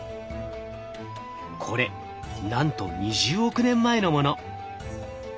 これなんと２０億年前のもの。